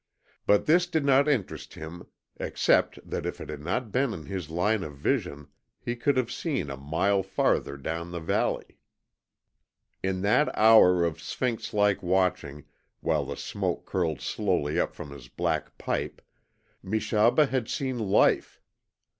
But this did not interest him, except that if it had not been in his line of vision he could have seen a mile farther down the valley. In that hour of Sphinx like watching, while the smoke curled slowly up from his black pipe, Meshaba had seen life.